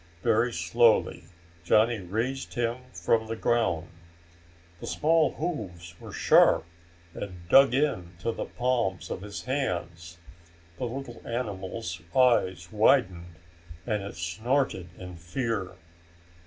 Very slowly Johnny raised him from the ground. The small hooves were sharp and dug into the palms of his hands. The little animal's eyes widened and it snorted in fear.